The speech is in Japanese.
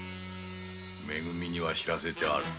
め組には報せてある。